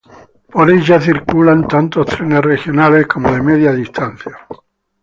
Por ella circulan tanto trenes regionales como de media distancia.